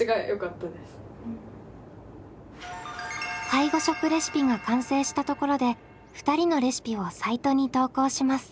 介護食レシピが完成したところで２人のレシピをサイトに投稿します。